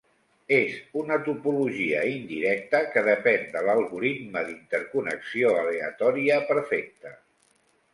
És una topologia indirecta que depèn de l'algoritme d'interconnexió aleatòria perfecta.